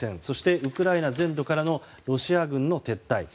そして、ウクライナ全土からのロシア軍の撤退。